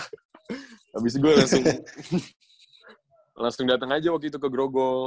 habis itu gue langsung langsung dateng aja waktu itu ke gro gro